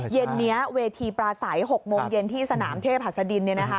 เย็นเนี้ยเวทีปราสัย๖โมงเย็นที่สนามเทพภาษดิน